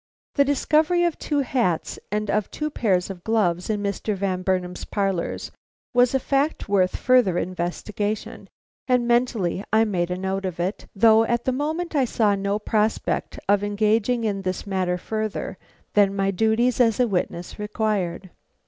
The discovery of two hats and of two pairs of gloves in Mr. Van Burnam's parlors was a fact worth further investigation, and mentally I made a note of it, though at the moment I saw no prospect of engaging in this matter further than my duties as a witness required.